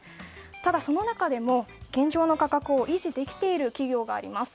ただ、その中でも現状の価格を維持できている企業もあります。